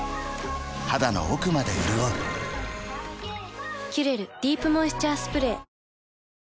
肌の奥まで潤う「キュレルディープモイスチャースプレー」